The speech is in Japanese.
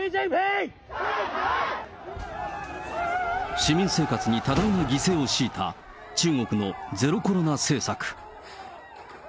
市民生活に多大な犠牲を強いた、中国のゼロコロナ政策。